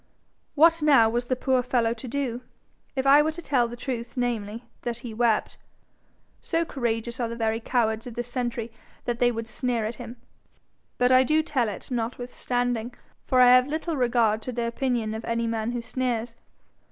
What now was the poor fellow to do? If I were to tell the truth namely, that he wept so courageous are the very cowards of this century that they would sneer at him; but I do tell it notwithstanding, for I have little regard to the opinion of any man who sneers.